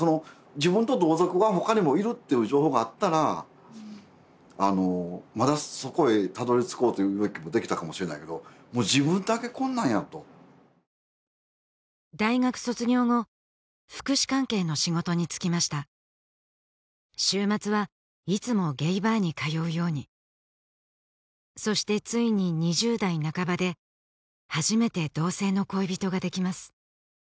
自分と同族がほかにもいるっていう情報があったらまだそこへたどり着こうという動きもできたかもしれないけどもう自分だけこんなんやと大学卒業後福祉関係の仕事に就きました週末はいつもゲイバーに通うようにそしてついに２０代なかばで初めて同性の恋人ができます